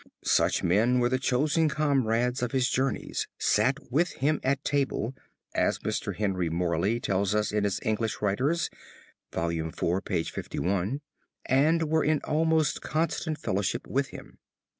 Such men were the chosen comrades of his journeys, sat with him at table, as Mr. Henry Morley tells us in his English Writers (volume IV, page 51), and were in almost constant fellowship with him.